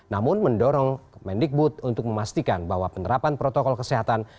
namun mendorong kementerian pendidikan dan kebudayaan untuk memastikan bahwa penerapan protokol kesehatan